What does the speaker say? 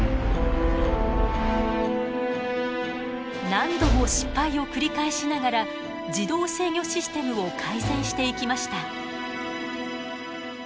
何度も失敗を繰り返しながら自動制御システムを改善していきました。